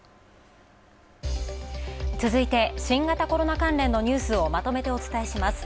続いて新型コロナ関連のニュースをまとめてお伝えします。